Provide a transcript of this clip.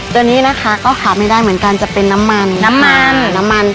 ตัวนี้นะคะก็ขาไม่ได้เหมือนกันจะเป็นน้ำมันค่ะ